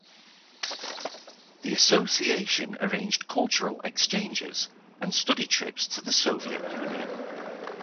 The association arranged cultural exchanges and study trips to the Soviet Union.